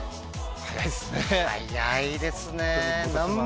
早いですね。